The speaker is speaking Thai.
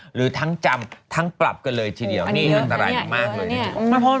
หรือทั้งจำทั้งปรับกันเลยทีเดียวนี่อันตรายมากเลย